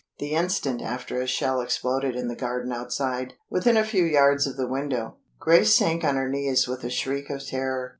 The instant after a shell exploded in the garden outside, within a few yards of the window. Grace sank on her knees with a shriek of terror.